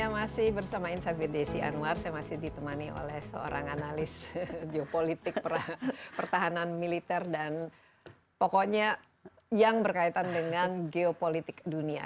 masih bersama insight with desi anwar saya masih ditemani oleh seorang analis geopolitik pertahanan militer dan pokoknya yang berkaitan dengan geopolitik dunia